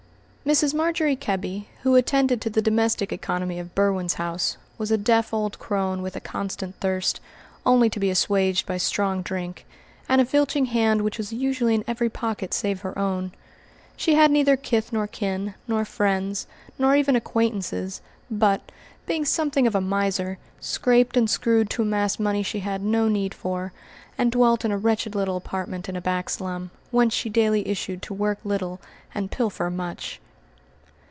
Mrs. Margery Kebby, who attended to the domestic economy of Berwin's house, was a deaf old crone with a constant thirst, only to be assuaged by strong drink; and a filching hand which was usually in every pocket save her own. She had neither kith nor kin, nor friends, nor even acquaintances; but, being something of a miser, scraped and screwed to amass money she had no need for, and dwelt in a wretched little apartment in a back slum, whence she daily issued to work little and pilfer much.